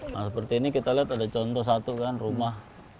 nah seperti ini kita lihat ada contoh satu kan rumah